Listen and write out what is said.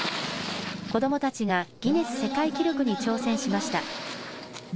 子どもたちがギネス世界記録に挑戦しました。